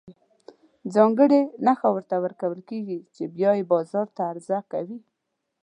ځانګړې نښه ورته ورکول کېږي چې بیا یې بازار ته عرضه کوي.